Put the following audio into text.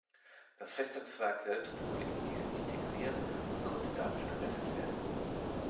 Das Festungswerk selbst wurde in diesen integriert und konnte dadurch gerettet werden.